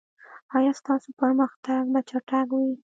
ایا ستاسو پرمختګ به چټک وي؟